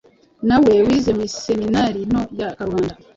na we wize mu iseminari nto ya Karubanda,